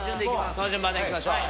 この順番でいきましょう。